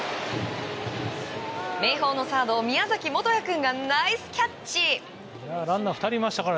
明豊のサード宮崎元哉君がナイスキャッチ！